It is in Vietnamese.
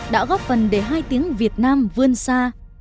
đã góp phần để hai tiếng việt nam vươn xa